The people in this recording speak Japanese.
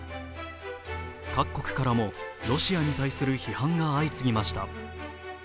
各国からもロシアに対する批判が相次ぎました。